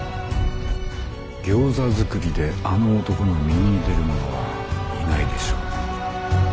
ギョーザ作りであの男の右に出る者はいないでしょう。